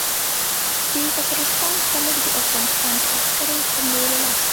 د کافرستان خلک د افغانستان د عسکرو حملو له لاسه.